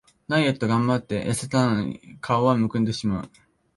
ダイエットがんばってやせたのに顔はむくんでしまう